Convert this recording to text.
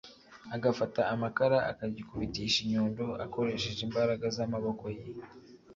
Agafata amakara akagikubitisha inyundo akoresheje imbaraga z amaboko ye